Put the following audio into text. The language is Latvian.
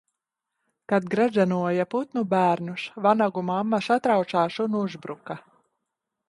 Kad gredzenoja putnu bērnus, vanagu mamma satraucās un uzbruka